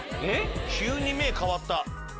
急に目変わった。